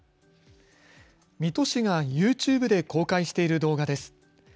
水戸市がユーチューブで公開している動画です。